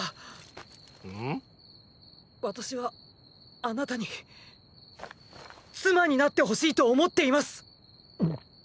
私はあなたに妻になってほしいと思っています！